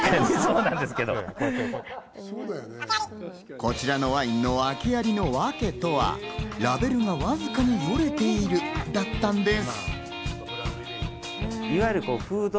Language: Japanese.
こちらのワインの訳ありのワケとは、ラベルがわずかによれているだったんです。